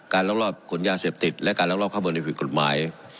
การรักรอบขนยาเสพติดและการรักรอบข้อเมนูภิกษ์กฎหมาย